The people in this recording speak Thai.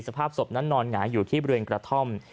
สภาพศพนั้นนอนหงายอยู่ที่บริเวณกระท่อม